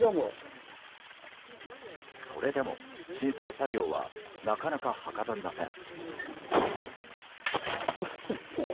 それでも、申請作業はなかなかはかどりません。